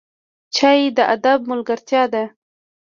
چای د ادب ملګرتیا ده